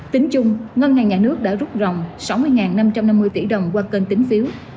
tính chung ngân hàng nhà nước đã rút rồng sáu mươi năm trăm năm mươi tỷ đồng qua kênh tính phiếu